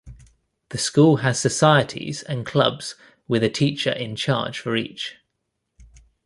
The school has societies and clubs with a teacher in-charge for each.